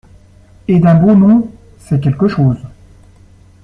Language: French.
Et d’un beau nom ! c’est quelque chose !